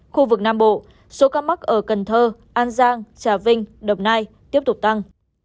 khu vực nam bộ số ca mắc ở cần thơ an giang trà vinh đồng nai tiếp tục tăng